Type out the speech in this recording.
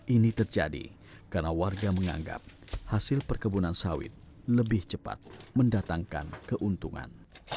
ini terjadi karena warga menganggap hasil perkebunan sawit lebih cepat mendatangkan keuntungan